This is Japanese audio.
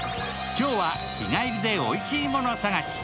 今日は日帰りでおいしいもの探し。